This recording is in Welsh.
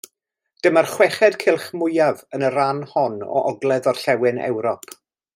Dyma'r chweched cylch mwyaf yn y rhan hon o Ogledd-orllewin Ewrop.